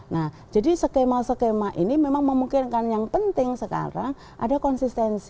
nah jadi skema skema ini memang memungkinkan yang penting sekarang ada konsistensi